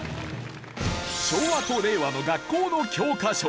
昭和と令和の学校の教科書。